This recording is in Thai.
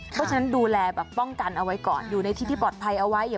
เพราะฉะนั้นดูแลแบบป้องกันเอาไว้ก่อนอยู่ในที่ที่ปลอดภัยเอาไว้